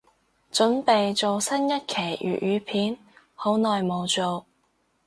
凖備做新一期粤語片，好耐無做